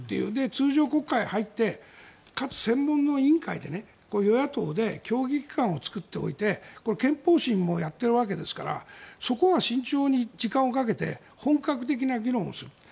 通常国会に入ってかつ専門の委員会で与野党で協議機関を作っておいて憲法審もやっているわけですからそこは慎重に時間をかけて本格的な議論をする。